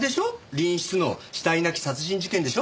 隣室の死体なき殺人事件でしょ。